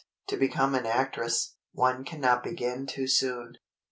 To become an actress, one cannot begin too soon."